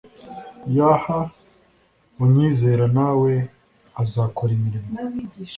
yh unyizera na we azakora imirimo